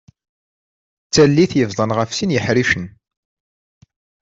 D tallit yebḍan ɣef sin yiḥricen.